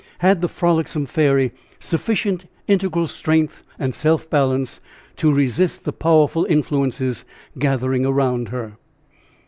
Had the frolicsome fairy sufficient integral strength and self balance to resist the powerful influences gathering around her?